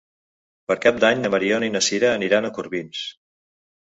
Per Cap d'Any na Mariona i na Sira aniran a Corbins.